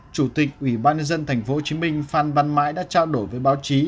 chủ tịch ủy ban nhân dân tp hcm phan văn mãi đã trao đổi với báo chí